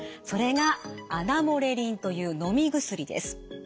それがアナモレリンというのみ薬です。